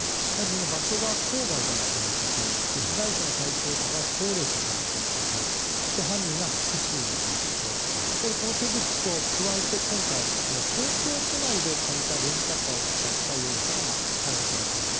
場所が郊外であるということ被害者の対象者が高齢者であるということ犯人が複数いるということやはりこの手口と加えて今回東京都内で借りたレンタカーを使った容疑者が逮捕されている。